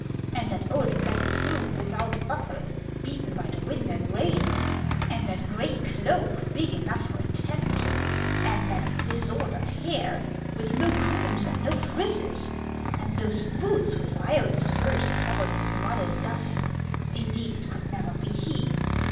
And that old black plume without a buckle, beaten bv the wind and rain ! And that great HANS OF ICELAND. 121 cloak, big enough for a tent ! And that disordered hair, with no combs and no frizzes ! And those boots with iron spurs, covered with mud and dust ! Indeed, it could never be he.